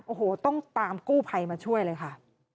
โอ้โหต้องตามกู้ภัยมาช่วยเลยค่ะ